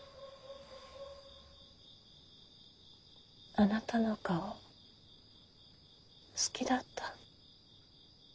あなたの顔好きだった。